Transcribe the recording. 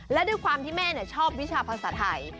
และด้วยความที่แม่ชอบวิชาภาษาไทย